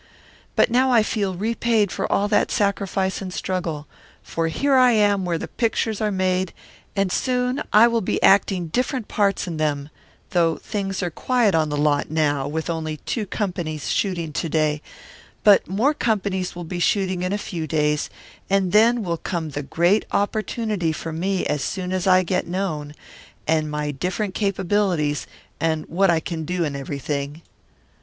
But now I feel repaid for all that sacrifice and struggle, for I am here where the pictures are made, and soon I will be acting different parts in them, though things are quiet on the lot now with only two companies shooting to day; but more companies will be shooting in a few days more and then will come the great opportunity for me as soon as I get known, and my different capabilities, and what I can do and everything.